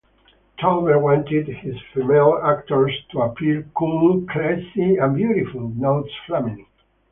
Thalberg wanted his female actors to appear "cool, classy and beautiful," notes Flamini.